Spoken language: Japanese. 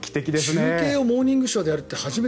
中継を「モーニングショー」でやるって。